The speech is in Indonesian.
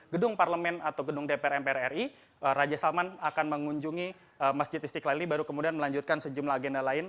gedung parlemen atau gedung dpr mpr ri raja salman akan mengunjungi masjid istiqlal ini baru kemudian melanjutkan sejumlah agenda lain